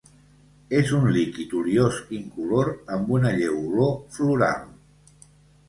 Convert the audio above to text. És un líquid oliós incolor amb una lleu olor floral.